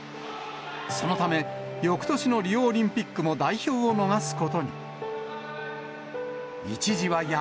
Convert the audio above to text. そのため、よくとしのリオオリンピックも代表を逃すことに。